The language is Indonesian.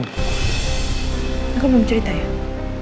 aku belum cerita ya